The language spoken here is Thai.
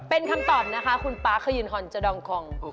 เป็นคำตอบนะคะคุณป๊าขยืนฮอนเจอดองคอง